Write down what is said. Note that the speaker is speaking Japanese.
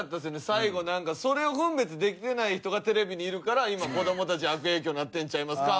最後なんかそれを分別できてない人がテレビにいるから今子どもたちに悪影響なってんちゃいますか？